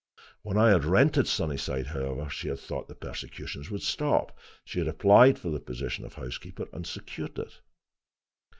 When I had rented Sunnyside, however, she had thought the persecutions would stop. She had applied for the position of housekeeper, and secured it.